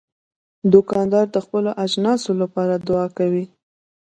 دوکاندار د خپلو اجناسو لپاره دعا کوي.